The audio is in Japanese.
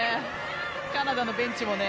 カナダのベンチもね。